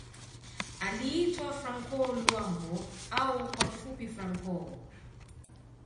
Aliitwa Franco Luambo au kwa kifupi Franco